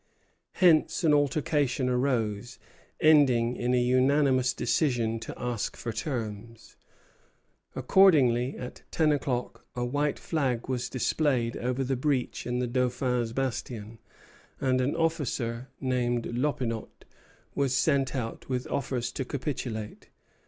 Hence an altercation arose, ending in a unanimous decision to ask for terms. Accordingly, at ten o'clock, a white flag was displayed over the breach in the Dauphin's Bastion, and an officer named Loppinot was sent out with offers to capitulate.